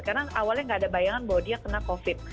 karena awalnya nggak ada bayangan bahwa dia kena covid